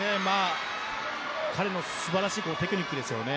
彼の素晴らしいテクニックです。